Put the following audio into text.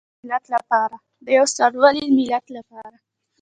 د یو سرلوړي ملت لپاره.